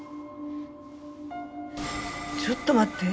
ちょっと待って。